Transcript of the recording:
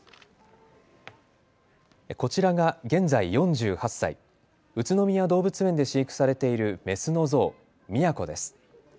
こちらが現在４８歳、宇都宮動物園で飼育されているメスのゾウ、宮子です。